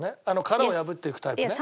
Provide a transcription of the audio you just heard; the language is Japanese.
殻を破っていくタイプね。